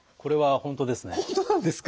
本当なんですか。